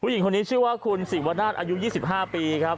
หญิงคนนี้ชื่อว่าคุณศิวนาศอายุ๒๕ปีครับ